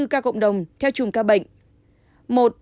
bốn năm mươi bốn ca cộng đồng theo chủng ca bệnh